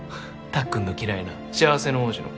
たっくんの嫌いな幸せな王子の。